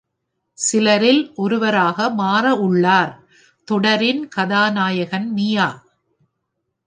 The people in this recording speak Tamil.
சிலரில் ஒருவராக மாற உள்ளார். தொடரின் கதாநாயகன் மியா.